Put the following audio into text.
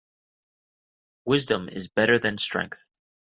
Wisdom is better than strength.